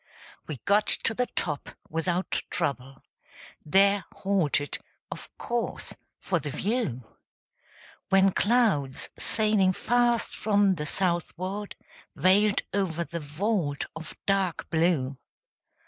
We got to the top without trouble; There halted, of course, for the view; When clouds, sailing fast from the southward, Veiled over the vault of dark blue.